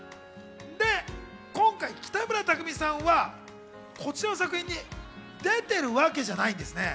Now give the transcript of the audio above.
今回、北村匠海さんはこちらの作品に出てるわけじゃないんです。